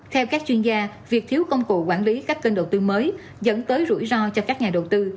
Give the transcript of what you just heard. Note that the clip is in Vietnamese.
theo các chuyên gia việc thiếu công cụ quản lý các kênh đầu tư mới dẫn tới rủi ro cho các nhà đầu tư